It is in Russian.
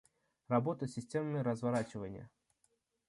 Работа с системами разворачивания